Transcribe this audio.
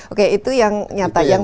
oke itu yang nyata